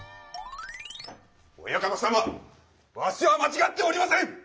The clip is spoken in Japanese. おやかた様ワシは間違っておりません！